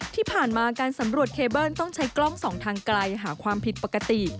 ที่ผ่านมาการสำรวจเคเบิ้ลต้องใช้กล้องสองทางไกลหาความผิดปกติ